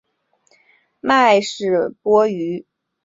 麦氏波鱼为鲤科波鱼属的鱼类。